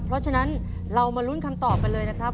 เพราะฉะนั้นเรามาลุ้นคำตอบกันเลยนะครับ